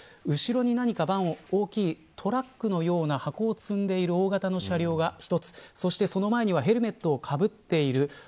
後に大きいトラックのような箱を積んでいる大型の車両が一つそしてその前にはヘルメットをかぶっている